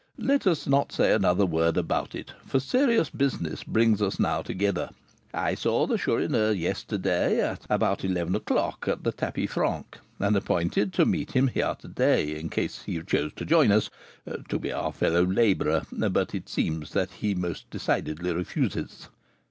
Let us not say another word about it, for serious business brings us now together. I saw the Chourineur yesterday, about eleven o'clock, at the tapis franc, and appointed to meet him here to day, in case he chose to join us, to be our fellow labourer; but it seems that he most decidedly refuses."